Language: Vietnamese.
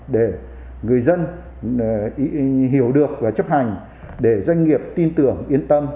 để người dân hiểu được và chấp hành để doanh nghiệp tin tưởng yên tâm